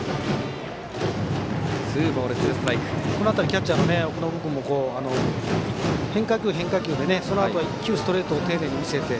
キャッチャーの奥信君も変化球、変化球でそのあと、１球ストレートを丁寧に見せて。